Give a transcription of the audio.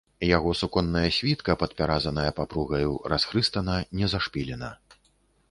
Яго суконная світка, падпяразаная папругаю, расхрыстана, не зашпілена.